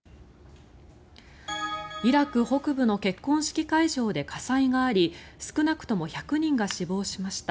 イラク北部の結婚式会場で火災があり少なくとも１００人が死亡しました。